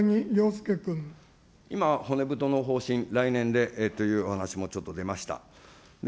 今、骨太の方針、来年でというお話もちょっと出ました。